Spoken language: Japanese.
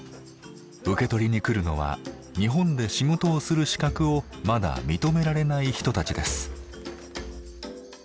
受け取りに来るのは日本で仕事をする資格をまだ認められない人たちです。